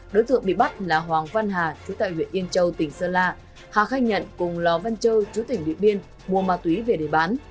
đối thượng bị bắt là hoàng văn hà chú tại huyện yên châu tỉnh sơn la hà khách nhận cùng lò văn chơ chú tỉnh địa biên mua ma túy về để bán